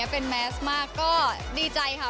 เป็นแมสมากก็ดีใจค่ะ